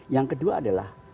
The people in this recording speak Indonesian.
yang kedua adalah